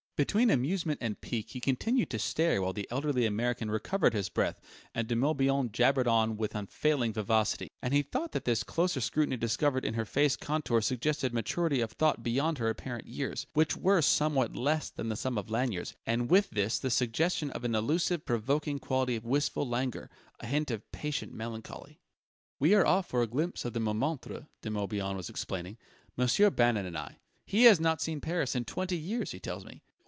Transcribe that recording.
Between amusement and pique he continued to stare while the elderly American recovered his breath and De Morbihan jabbered on with unfailing vivacity; and he thought that this closer scrutiny discovered in her face contours suggesting maturity of thought beyond her apparent years which were somewhat less than the sum of Lanyard's and with this the suggestion of an elusive, provoking quality of wistful languor, a hint of patient melancholy.... "We are off for a glimpse of Montmartre," De Morbihan was explaining "Monsieur Bannon and I. He has not seen Paris in twenty years, he tells me.